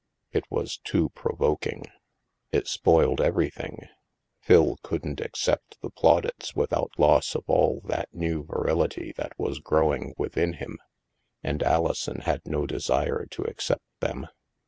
It was too provoking! It spoiled everything. Phil couldn't accept the plaudits without loss of all that new virility which was growing within him, and Alison had no desire to accept them.